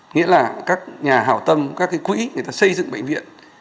nghĩa là các nhà hảo tâm các cái quỹ người ta xây dựng bệnh viện